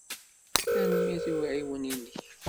Tanemmirt i uɛiwen-inek.